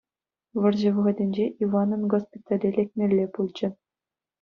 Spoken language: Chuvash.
Вӑрҫӑ вӑхӑтӗнче Иванӑн госпитале лекмелле пулчӗ.